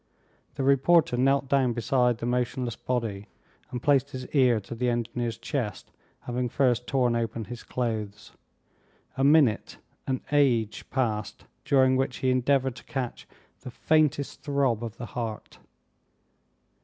The reporter knelt down beside the motionless body, and placed his ear to the engineer's chest, having first torn open his clothes. A minute an age! passed, during which he endeavored to catch the faintest throb of the heart.